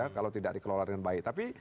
kalau tidak dikelola dengan baik tapi